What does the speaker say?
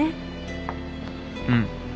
うん。